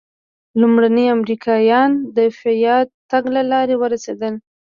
لومړني امریکایان د پیاده تګ له لارې ورسېدل.